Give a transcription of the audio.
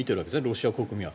ロシア国民は。